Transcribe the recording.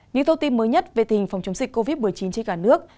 những thông tin mới nhất về tình hình phòng chống dịch covid một mươi chín trên cả nước